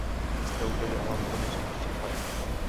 এটা উটেরই আওয়াজ বলে সে নিশ্চিত হয়।